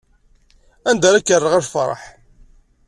Anda ara k-rreɣ a lferḥ?